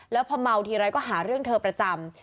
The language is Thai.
แล้วพอเมาทีไรก็หาเรื่องเธอประจำ